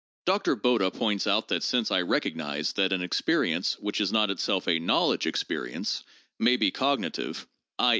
Dr. Bode points out that since I recognize that an experience (which is not itself a knowledge experience) may be cognitive, i.